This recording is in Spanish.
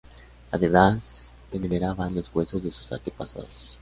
Además, veneraban los huesos de sus antepasados.